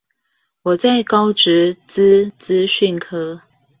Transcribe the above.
我在高職資資訊科